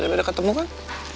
tadi udah ketemu kan